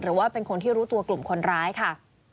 หรือว่าเป็นคนที่รู้ตัวกลุ่มคนร้ายค่ะ